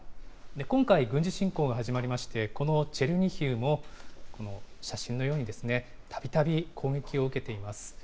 今回、軍事侵攻が始まりまして、このチェルニヒウも、この写真のように、たびたび攻撃を受けています。